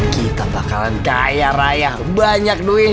kita bakalan kaya raya banyak duit